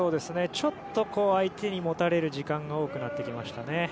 ちょっと相手に持たれる時間が多くなってきましたね。